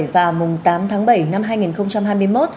vào mùng tám tháng bảy năm hai nghìn hai mươi một